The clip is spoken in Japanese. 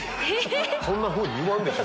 そんなふうに言わんでしょ。